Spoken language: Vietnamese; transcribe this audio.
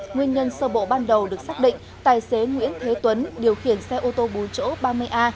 nguyên nhân sơ bộ ban đầu được xác định tài xế nguyễn thế tuấn điều khiển xe ô tô bốn chỗ ba mươi a chín mươi ba nghìn năm trăm năm mươi ba